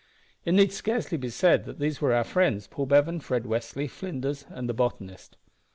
It need scarcely be said that these were our friends Paul Bevan, Fred Westly, Flinders, and the botanist.